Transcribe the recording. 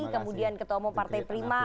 kemudian ketemu partai prima